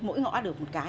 mỗi ngõ được một cái